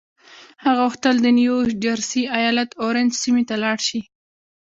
هغه غوښتل د نيو جرسي ايالت اورنج سيمې ته لاړ شي.